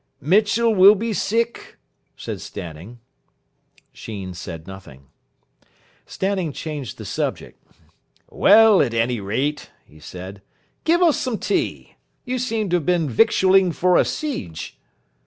"Mitchell will be sick," said Stanning. Sheen said nothing. Stanning changed the subject. "Well, at anyrate," he said, "give us some tea. You seem to have been victualling for a siege."